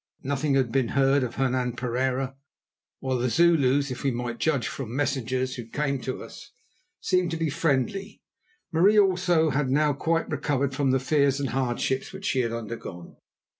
Nothing had been heard of Hernan Pereira, while the Zulus, if we might judge from messengers who came to us, seemed to be friendly. Marie, also, had now quite recovered from the fears and hardships which she had undergone.